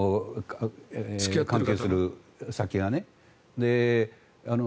関係する先がね。